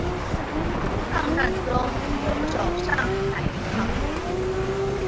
抗战中留守上海银行业。